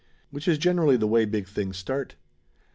Which is generally the way big things start.